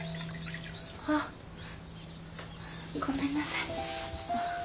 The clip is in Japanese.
あっごめんなさい。